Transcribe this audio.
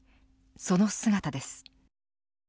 その姿です。